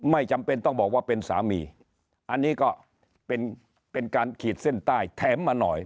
ไม่จำเป็นต้องบอกว่าเป็นสามีอันนี้ก็เป็นการขีดเส้นใต้แถมมาหน่อย